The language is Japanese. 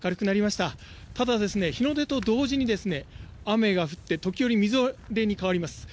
ただ、日の出と同時に雨が降って時折みぞれに変わります。